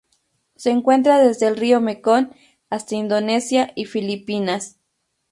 Se encuentra desde el río Mekong hasta Indonesia y Filipinas.